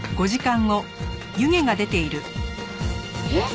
えっ？